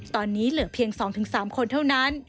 ตอนนี้เหลือเพียง๒๓คนเท่านั้น